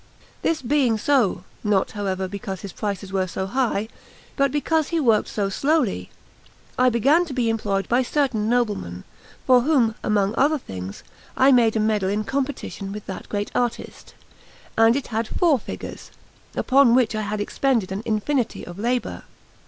This being so not, however, because his prices were so high, but because he worked so slowly I began to be employed by certain noblemen, for whom, among other things, I made a medal in competition with that great artist, and it had four figures, upon which I had expended an infinity of labour.